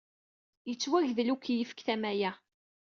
Yettwagdel ukeyyef deg tama-a.